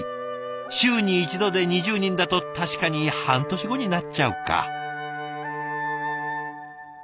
週に一度で２０人だと確かに半年後になっちゃうか。